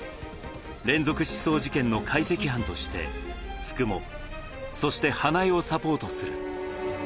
連続失踪事件の解析班として九十九、そして花恵をサポートす